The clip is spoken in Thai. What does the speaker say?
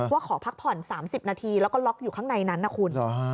ขอพักผ่อน๓๐นาทีแล้วก็ล็อกอยู่ข้างในนั้นนะคุณ